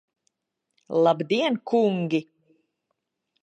Labdien, kungi!